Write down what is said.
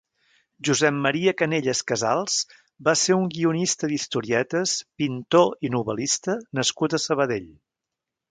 Josep Maria Canellas Casals va ser un guionista d'historietes, pintor i novel·lista nascut a Sabadell.